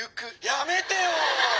「やめてよ」。